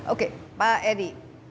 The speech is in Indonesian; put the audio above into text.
oke pak edi